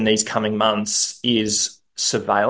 dalam bulan bulan ini adalah